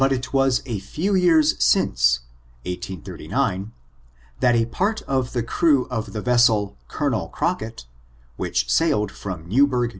It was but a few years since, 1839, that a part of the crew of the vessel Colonel Crocket^ which sailed from Newburgh, N.